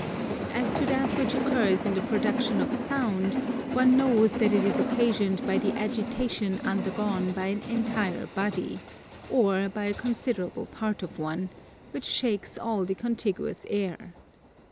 As to that which occurs in the production of Sound, one knows that it is occasioned by the agitation undergone by an entire body, or by a considerable part of one, which shakes all the contiguous air.